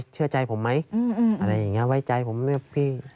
เชื่อใจผมไหมอะไรอย่างนี้ไว้ใจผมเลือกพี่